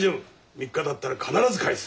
３日たったら必ず返す。